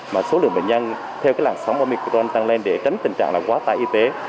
mà số lượng bệnh nhân theo làn sóng của microdome tăng lên để tránh tình trạng là quá tải y tế